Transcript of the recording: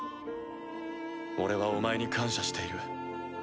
俺はお前に感謝している。